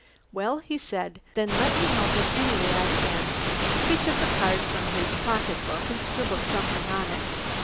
"Well," he said, "then let me help in any way I can." He took a card from his pocket book and scribbled something on it.